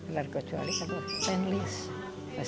darah kecuali kalau stainless